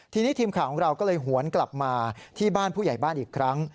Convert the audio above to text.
ทีนี้ทีมข่าวของเราก็เลยหวนกลับมาที่บ้านผู้ใหญ่บ้านอีกครั้ง